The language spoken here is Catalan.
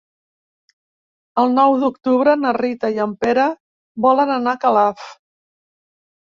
El nou d'octubre na Rita i en Pere volen anar a Calaf.